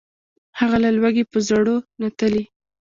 هغه له لوږي په زړو نتلي